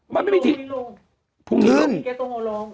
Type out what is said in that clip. มันไม่มีทีลงพรุ่งนี้ลงมันไม่มีเทอร์ตัวโฮะลง